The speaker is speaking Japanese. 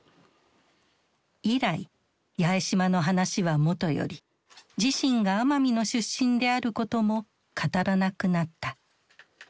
以来八重島の話はもとより自身が奄美の出身であることも語らなくなった。